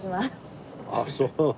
あっそう？